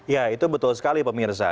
ya itu betul sekali pemirsa